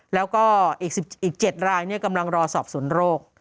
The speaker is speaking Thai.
แล้วก็อีก๗รายกำลังรอสอบสวนโรค